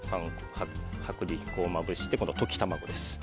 薄力粉をまぶして今度、溶き卵です。